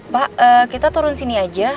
pak kita turun sini aja